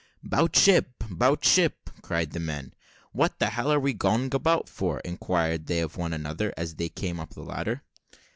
"'Bout ship 'bout ship!" cried the men. "What the hell are we going about for?" inquired they of one another, as they came up the ladder.